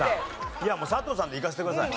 いやもう佐藤さんでいかせてください。